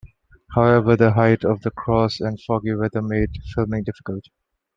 However, the height of the cross and foggy weather made filming difficult.